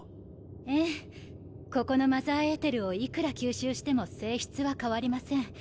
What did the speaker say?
ええここのマザーエーテルをいくら吸収しても「性質」は変わりません。